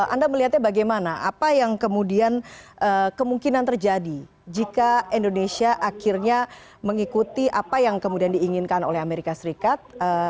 anda melihatnya bagaimana apa yang kemudian kemungkinan terjadi jika indonesia akhirnya mengikuti apa yang kemudian diinginkan oleh amerika serikat